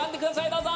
どうぞ！